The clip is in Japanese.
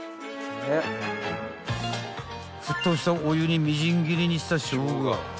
［沸騰したお湯にみじん切りにしたショウガ］